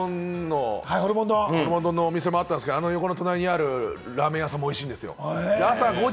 ホルモン丼のお店もあったんですけど、その隣にあるラーメン屋さんもおいしいんですよ。